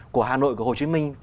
của hà nội của hồ chí minh